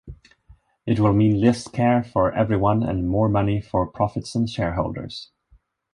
It will mean less care for everyone, and more money for profits and shareholders.